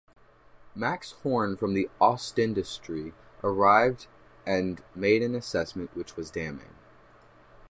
Max Horn from the "Ostindustrie" arrived and made an assessment, which was damning.